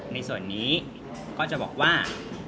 ในส่วนนี้ก็จะบอกว่า